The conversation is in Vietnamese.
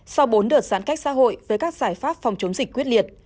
sau bốn đợt giãn cách xã hội với các giải pháp phòng chống dịch quyết liệt